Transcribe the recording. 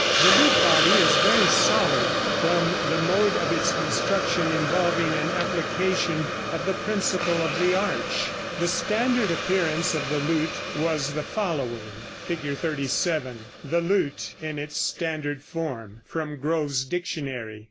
The lute body is very solid, from the mode of its construction involving an application of the principle of the arch. The standard appearance of the lute was the following: [Illustration: Fig. 37. THE LUTE IN ITS STANDARD FORM. (From Grove's Dictionary.)